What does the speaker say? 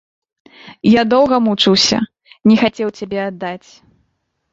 Я доўга мучыўся, не хацеў цябе аддаць.